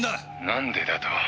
「何でだと？」